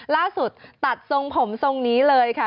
ล่าสุดตัดทรงผมทรงนี้เลยค่ะ